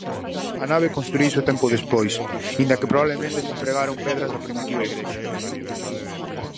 A nave construíuse tempo despois, inda que probablemente se empregaron pedras da primitiva igrexa.